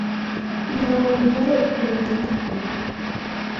kugira ngo mugere ikirenge mu cye'."